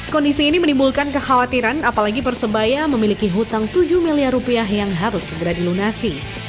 kondisi ini menimbulkan kekhawatiran apalagi persebaya memiliki hutang tujuh miliar rupiah yang harus segera dilunasi